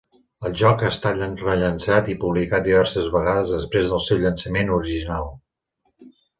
El joc ha estat rellançat i publicat diverses vegades després del seu llançament original.